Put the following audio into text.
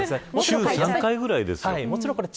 週３回くらいですよ。